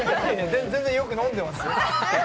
全然よく飲んでますよ。